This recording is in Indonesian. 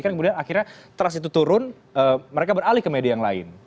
kan kemudian akhirnya trust itu turun mereka beralih ke media yang lain